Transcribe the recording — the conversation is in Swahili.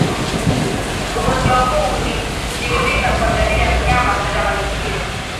Ugonjwa huu hujidhihirisha kwa dalili ya mnyama kuchanganyikiwa